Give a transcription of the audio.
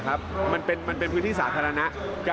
คนเป็นพ่อเป็นแม่นะ